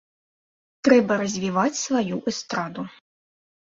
Трэба развіваць сваю эстраду.